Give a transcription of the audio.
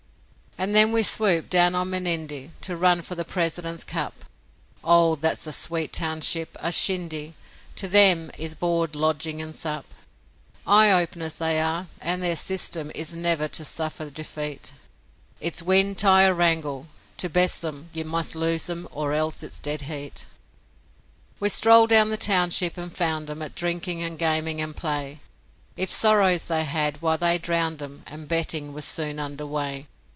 And then we swooped down on Menindie To run for the President's Cup Oh! that's a sweet township a shindy To them is board, lodging, and sup. Eye openers they are, and their system Is never to suffer defeat; It's 'win, tie, or wrangle' to best 'em You must lose 'em, or else it's 'dead heat'. We strolled down the township and found 'em At drinking and gaming and play; If sorrows they had, why they drowned 'em, And betting was soon under way.